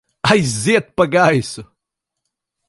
Aiziet pa gaisu!